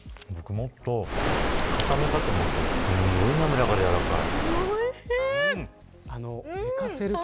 もっと、かためかと思ったらすごい滑らかでやわらかい。